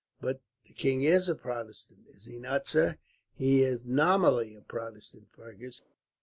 "But the king is a Protestant, is he not, sir?" "He is nominally a Protestant, Fergus.